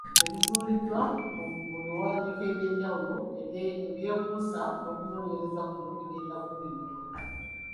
Ebizuuliddwa mu biwandiiko eby’enjawulo ebyekuusa n’okunoonyereza kuno bigenda kunnyonnyolwa.